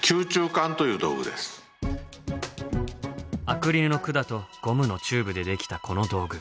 アクリルの管とゴムのチューブでできたこの道具。